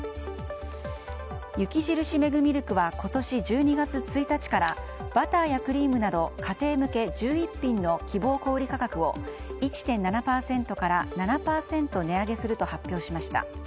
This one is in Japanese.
雪印メグミルクは今年１２月１日からバターやクリームなど家庭向け１１品の希望小売価格を１．７％から７％値上げすると発表しました。